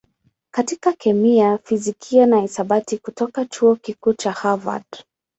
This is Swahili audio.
katika kemia, fizikia na hisabati kutoka Chuo Kikuu cha Harvard.